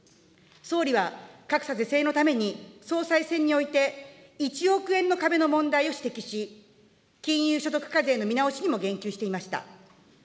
総理は、格差是正のために、総裁選において、一億円の壁の問題を指摘し、金融所得課税の見直しにも言及していました。